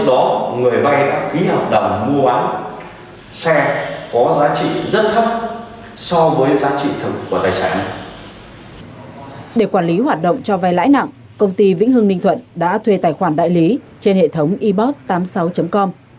từ tháng sáu năm hai nghìn một mươi bảy đến nay công ty vĩnh hưng ninh thuận đã thuê tài khoản đại lý trên hệ thống ebot tám mươi sáu com